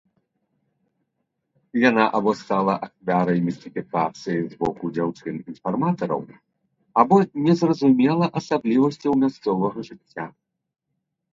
Яна або стала ахвярай містыфікацыі з боку дзяўчын-інфарматараў, або не зразумела асаблівасцяў мясцовага жыцця.